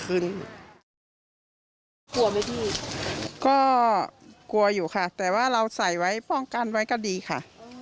ก็กลัวอยู่ค่ะแต่ว่าเราใส่ไว้ป้องกันไว้ก็ดีค่ะ